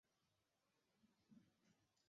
奥尔桑讷人口变化图示